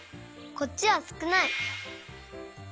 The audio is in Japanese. こっちはすくない！